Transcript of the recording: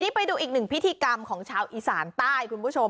ไปดูอีกหนึ่งพิธีกรรมของชาวอีสานใต้คุณผู้ชม